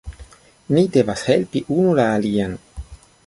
Ni devas helpi unu la alian